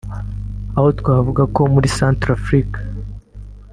Aha twavuga nko muri Centrafrique